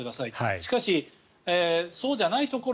しかしそうじゃないところ